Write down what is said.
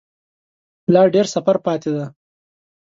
لا ډیر سفر پاته دی